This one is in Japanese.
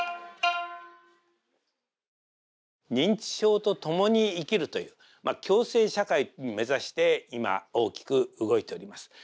認知症とともに生きるという共生社会を目指して今大きく動いております。